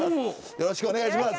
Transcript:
よろしくお願いします。